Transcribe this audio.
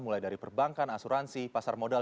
mulai dari perbankan asuransi pasar modal